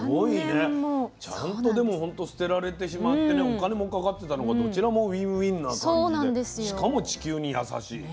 ちゃんとでもほんと捨てられてしまってお金もかかってたのがどちらもウィンウィンな感じでしかも地球に優しい。